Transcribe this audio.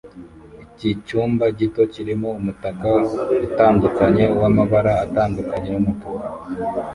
iki cyumba gito kirimo umutaka utandukanye wamabara atandukanye yumutuku